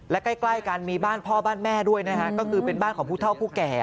และใกล้กันมีบ้านพ่อบ้านแม่ด้วยนะฮะก็คือเป็นบ้านของผู้เท่าผู้แก่